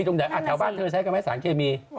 แถวบ้านเธอใช้กันไหมสารเคมี